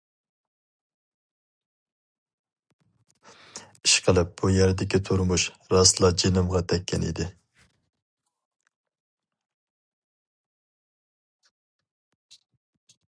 ئىشقىلىپ بۇ يەردىكى تۇرمۇش راستلا جىنىمغا تەككەن ئىدى.